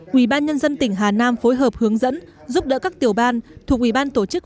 ủy ban nhân dân tỉnh hà nam phối hợp hướng dẫn giúp đỡ các tiểu ban thuộc ủy ban tổ chức